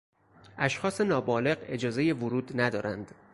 اشخاص نابالغ اجازهی ورود ندارند.